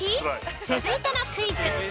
続いてのクイズ。